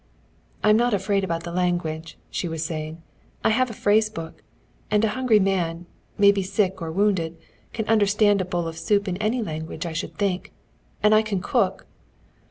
"I'm not afraid about the language," she was saying. "I have a phrase book. And a hungry man, maybe sick or wounded, can understand a bowl of soup in any language, I should think. And I can cook!"